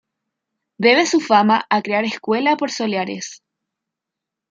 Debe su fama a crear escuela por soleares.